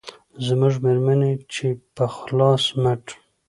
زموږ مېرمنې چې په خلاص مټ